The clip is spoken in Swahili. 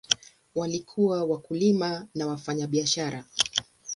Walikuwa wakulima na wafanyabiashara.